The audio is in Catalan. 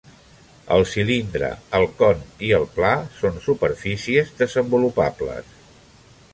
El cilindre, el con i el pla són superfícies desenvolupables.